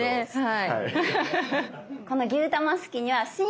はい。